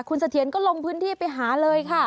คุณเสถียรก็ลงพื้นที่ไปหาเลยค่ะ